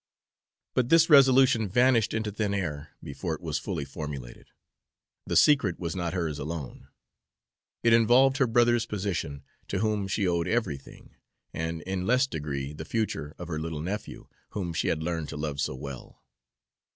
But this resolution vanished into thin air before it was fully formulated. The secret was not hers alone; it involved her brother's position, to whom she owed everything, and in less degree the future of her little nephew, whom she had learned to love so well.